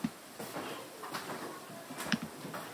Ez dakit ziur arimarik ba ote dudan.